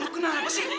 lo kenal apa sih